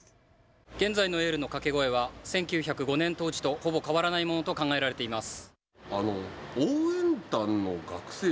現在のエールの掛け声は１９０５年当時とほぼ変わらないものと考えられています。